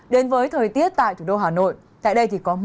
đến với thời tiết tại thủ đô hà nội